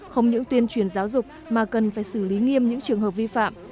không những tuyên truyền giáo dục mà cần phải xử lý nghiêm những trường hợp vi phạm